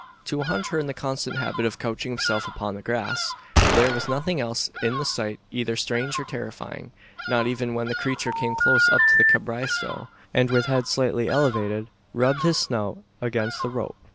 To a hunter in the constant habit of couching himself upon the grass, there was nothing in the sight either strange or terrifying; not even when the creature came close up to the cabriesto, and, with head slightly elevated, rubbed its snout against the rope!